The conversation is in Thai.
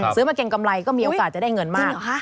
ซื้อมาเกรงกำไรก็มีโอกาสจะได้เงินมาก